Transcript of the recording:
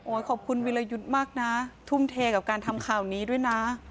ขอบคุณวิรยุทธ์มากนะทุ่มเทกับการทำข่าวนี้ด้วยนะ